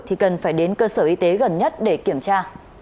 thì cần phải đến cơ sở y tế gần nhất để kiểm tra